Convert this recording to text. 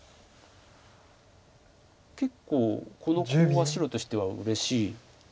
結構このコウは白としてはうれしい。